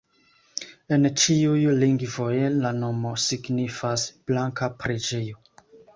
En ĉiuj lingvoj la nomo signifas: blanka preĝejo.